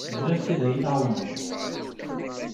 Bɣiɣ-k ad iyi-tɛawneḍ.